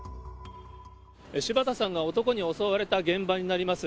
柴田さんが男に襲われた現場になります。